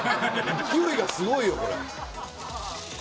勢いがすごいよこれ。